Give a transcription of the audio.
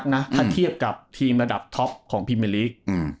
ถ้าเทียบกับทีมระดับท็อปของพิเมลีก